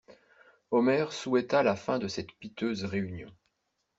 Omer souhaita la fin de cette piteuse réunion.